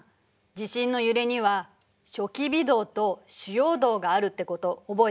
地震の揺れには初期微動と主要動があるってこと覚えてる？